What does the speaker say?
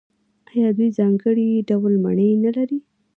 آیا دوی ځانګړي ډول مڼې نلري؟